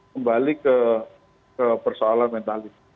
kembali ke persoalan mentalitas